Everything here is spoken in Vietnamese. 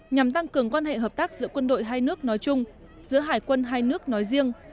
nhằm tăng cường quan hệ hợp tác giữa quân đội hai nước nói chung giữa hải quân hai nước nói riêng